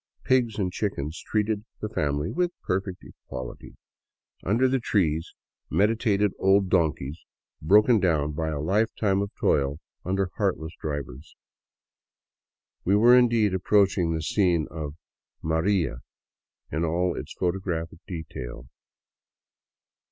Pigs and chickens treated the family with perfect equality; under the trees 73 VAGABONDING DOWN THE ANDES meditated old donkeys, broken down by a life time of toil under heart less drivers. We were indeed approaching the scene of " Maria " in all its photographic detail.